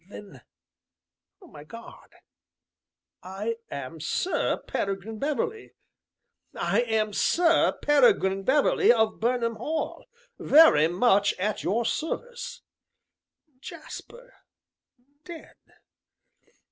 "Then my God! I am Sir Peregrine Beverley! I am Sir Peregrine Beverley of Burnham Hall, very much at your service. Jasper dead!